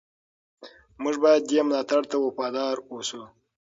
موږ باید دې ملاتړ ته وفادار اوسو.